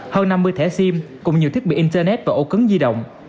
hơn năm mươi thẻ sim cùng nhiều thiết bị internet và ô cứng di động